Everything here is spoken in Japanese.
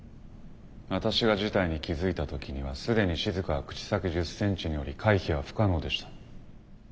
私が事態に気付いた時には既にしずかは口先１０センチにおり回避は不可能でした。